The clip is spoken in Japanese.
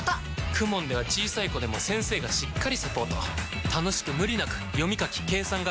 ＫＵＭＯＮ では小さい子でも先生がしっかりサポート楽しく無理なく読み書き計算が身につきます！